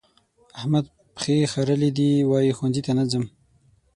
احمد پښې خرلې دي؛ وايي ښوونځي ته نه ځم.